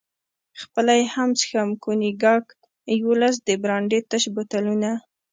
خپله یې هم څښم، کونیګاک، یوولس د برانډي تش بوتلونه.